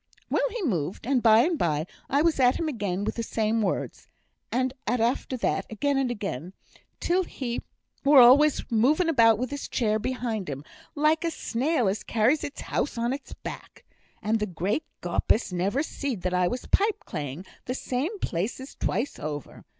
Well, he moved; and by and by I was at him again with the same words; and at after that, again and again, till he were always moving about wi' his chair behind him, like a snail as carries its house on its back. And the great gaupus never seed that I were pipeclaying the same places twice over.